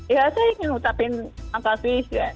ya saya ingin mengucapkan makasih ya